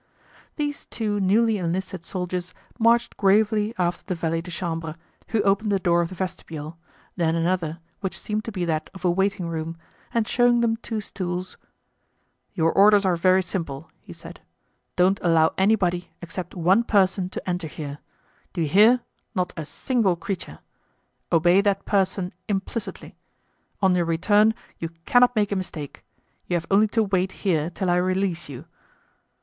These two newly enlisted soldiers marched gravely after the valet de chambre, who opened the door of the vestibule, then another which seemed to be that of a waiting room, and showing them two stools: "Your orders are very simple," he said; "don't allow anybody, except one person, to enter here. Do you hear—not a single creature! Obey that person implicitly. On your return you cannot make a mistake. You have only to wait here till I release you."